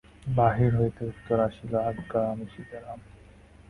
বাহির হইতে উত্তর আসিল, আজ্ঞা, আমি সীতারাম।